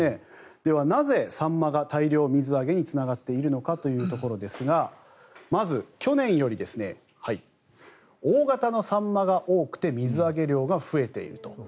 では、なぜサンマが大量水揚げにつながっているのかというところですがまず、去年より大型のサンマが多くて水揚げ量が増えていると。